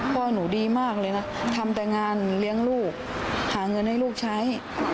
พ่อหนูดีมากเลยนะทำแต่งานเลี้ยงลูกหาเงินให้ลูกใช้